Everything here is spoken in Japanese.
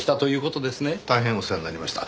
大変お世話になりました。